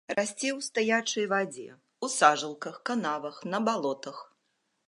Расце ў стаячай вадзе ў сажалках, канавах, на балотах.